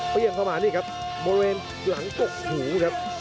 เข้ามานี่ครับบริเวณหลังกกหูครับ